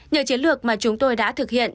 nhờ chiến lược mà chúng tôi đã thực hiện